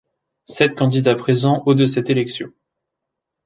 Sept candidats présents au de cette élection.